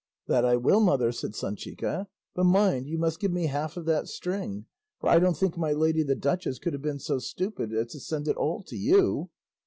"That I will, mother," said Sanchica; "but mind, you must give me half of that string; for I don't think my lady the duchess could have been so stupid as to send it all to you."